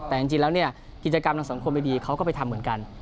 แต่จริงแล้วเนี่ยกิจกรรมทางสังคมไม่ดีเขาก็ไปทำเหมือนกัน